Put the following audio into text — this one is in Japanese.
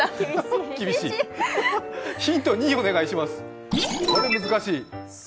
ヒント２、お願いします。